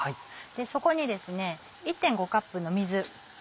そこに１．５カップの水